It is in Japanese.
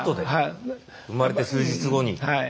生まれて数日後に。